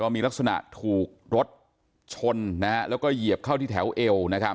มีลักษณะถูกรถชนแล้วก็เหยียบเข้าที่แถวเอว